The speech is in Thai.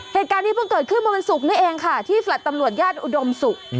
เหตุการณ์นี้เพิ่งเกิดขึ้นเมื่อวันศุกร์นี้เองค่ะที่แลต์ตำรวจย่านอุดมศุกร์